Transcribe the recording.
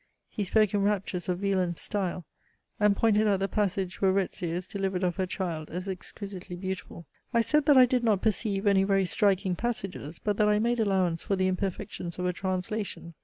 He spoke in raptures of Wieland's style, and pointed out the passage where Retzia is delivered of her child, as exquisitely beautiful. I said that I did not perceive any very striking passages; but that I made allowance for the imperfections of a translation.